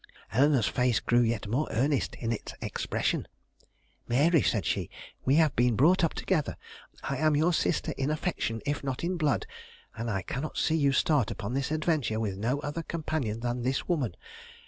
Eleanore's face grew yet more earnest in its expression. "Mary," said she, "we have been brought up together. I am your sister in affection if not in blood, and I cannot see you start upon this adventure with no other companion than this woman.